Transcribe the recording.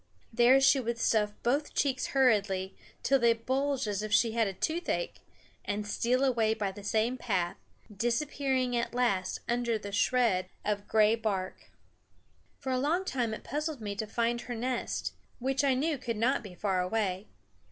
There she would stuff both cheeks hurriedly, till they bulged as if she had toothache, and steal away by the same path, disappearing at last under the shred of gray bark. For a long time it puzzled me to find her nest, which I knew could not be far away.